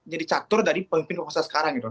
jadi catur dari pemimpin kekuasaan sekarang gitu